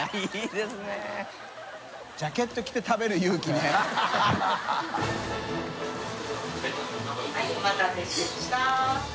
・はいお待たせしました。